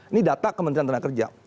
ini data kementerian tenaga kerja